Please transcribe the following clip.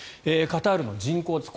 カタールの人口です。